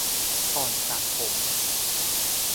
ก่อนสระผม